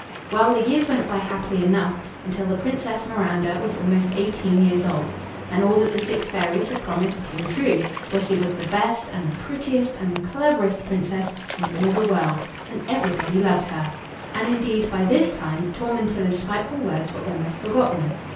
Well, the years went by happily enough until the Princess Miranda was almost eighteen years old, and all that the six fairies had promised came true, for she was the best and the prettiest and the cleverest Princess in all the world, and everybody loved her. And, indeed, by this time Tormentilla's spiteful words were almost forgotten.